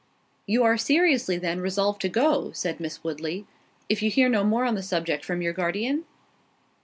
"You are seriously then resolved to go," said Miss Woodley, "if you hear no more on the subject from your guardian?"